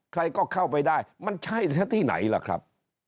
ใครก็เข้าไปได้มันใช่ซะที่ไหนล่ะครับ